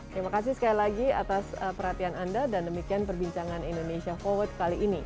terima kasih sekali lagi atas perhatian anda dan demikian perbincangan indonesia forward kali ini